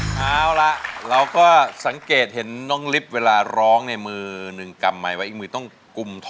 ไหลไม่ได้เจ็บปวดอะไรใช่ไหม